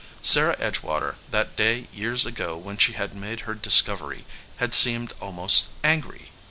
Sarah Edgewater, that day years ago when she had made her discovery, had seemed almost angry.